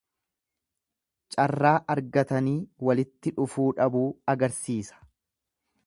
Carraa argatanii walitti dhufuu dhabuu agarsiisa.